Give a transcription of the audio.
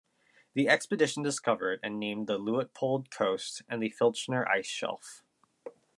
The expedition discovered and named the Luitpold Coast and the Filchner Ice Shelf.